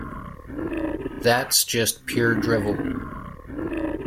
That's just pure drivel!